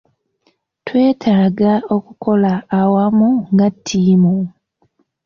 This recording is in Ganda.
Twetaaga okukolera awamu nga ttiimu.